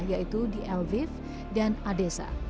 yaitu di elviv dan adesa